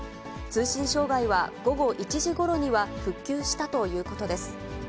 通信障害は午後１時ごろには復旧したということです。